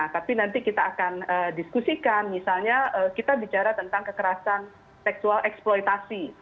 tapi nanti kita akan diskusikan misalnya kita bicara tentang kekerasan seksual eksploitasi